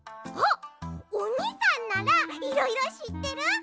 あっおにさんならいろいろしってる？